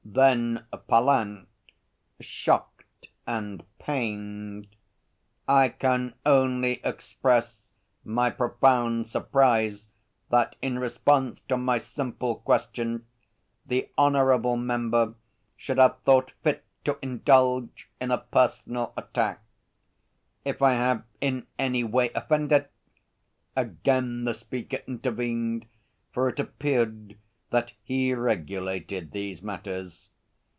Then Pallant, shocked and pained: 'I can only express my profound surprise that in response to my simple question the honourable member should have thought fit to indulge in a personal attack. If I have in any way offended ' Again the Speaker intervened, for it appeared that he regulated these matters.